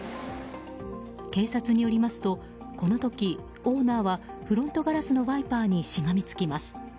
警察によりますとこの時、オーナーはフロントガラスのワイパーにしがみつきます。